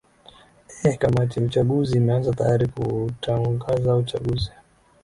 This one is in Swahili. ee kamati ya uchaguzi imeanza tayari kuutangaza uchaguzi